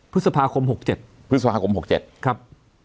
พฤษภาคม๖๗ครับ